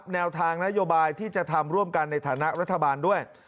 แนวทางนโยบายที่จะทำร่วมกันในฐานะรัฐบาลด้วย